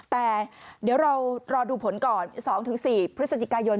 แต่เดี๋ยวเรารอดูผลก่อน๒๔พฤศจิกายน